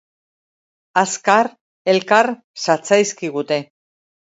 Azkar, elkar zatzaizkigute.